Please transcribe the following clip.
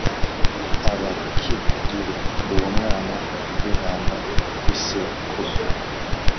Ab k rire uwo mwana w intama w isekurume